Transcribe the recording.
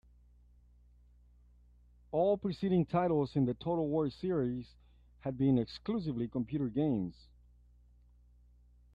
All preceding titles in the "Total War" series had been exclusively computer games.